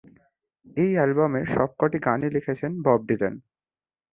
এই অ্যালবামের সবকটি গানই লিখেছেন বব ডিলান।